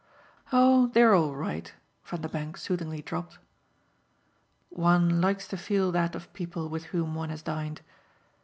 "Oh they're all right," Vanderbank soothingly dropped. "One likes to feel that of people with whom one has dined.